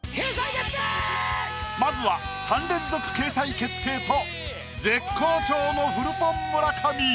まずは３連続掲載決定と絶好調のフルポン村上。